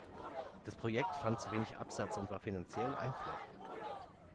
Das Projekt fand zu wenig Absatz und war finanziell ein Flop.